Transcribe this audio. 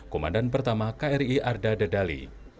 komandan pertama kri arda dedali